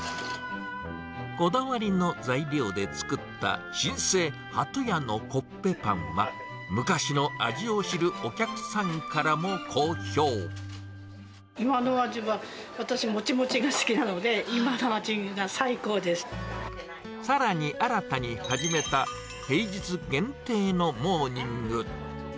こだわりの材料で作った新生ハト屋のコッペパンは、昔の味を知る今の味は、私、もちもちが好さらに、新たに始めた平日限定のモーニング。